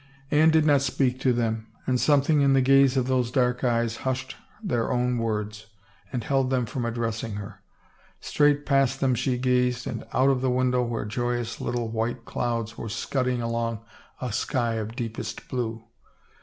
Anne did not speak to them and something in the gaze of those dark eyes hushed their own words and held them from addressing her. Straight past them she gazed and out of the window where joyous little white clouds were scudding along a sky of deepest blue.